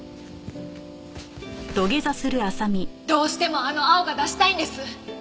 どうしてもあの青が出したいんです。